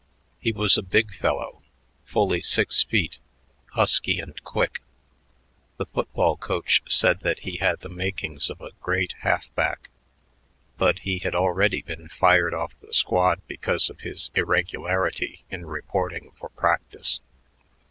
He was a big fellow, fully six feet, husky and quick. The football coach said that he had the makings of a great half back, but he had already been fired off the squad because of his irregularity in reporting for practice.